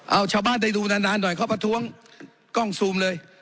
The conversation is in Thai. เอาชาวบ้านได้ดูนานหน่อยเขาประท้วงกล้องซูมเลย